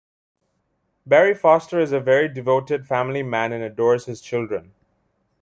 Barry Foster is a very devoted family man and adores his children.